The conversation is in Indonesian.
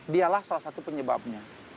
dialah salah satu penyebabnya